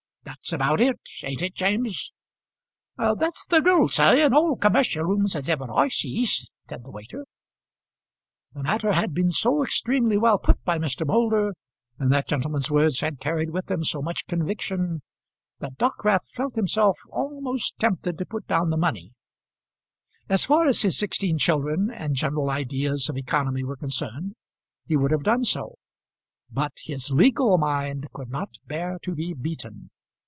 That's about it, ain't it, James?" "That's the rule, sir, in all commercial rooms as I ever see," said the waiter. The matter had been so extremely well put by Mr. Moulder, and that gentleman's words had carried with them so much conviction, that Dockwrath felt himself almost tempted to put down the money; as far as his sixteen children and general ideas of economy were concerned he would have done so; but his legal mind could not bear to be beaten.